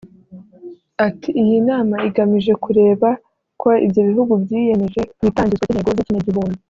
Ati “Iyi nama igamije kureba ko ibyo ibi bihugu byiyemeje mu itangizwa ry’intego z’ikinyagihumbi